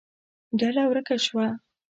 ډله ورکه شوه.